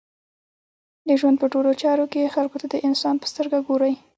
د ژوند په ټولو چارو کښي خلکو ته د انسان په سترګه ګورئ!